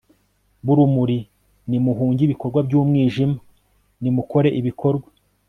b'urumuri, nimuhunge ibikorwa by'umwijima, nimukore ibikorwa